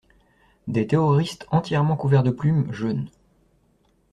Des terroristes entièrement couverts de plumes jeûnent!